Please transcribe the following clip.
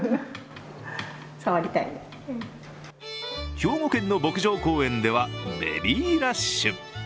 兵庫県の牧場公園ではベビーラッシュ。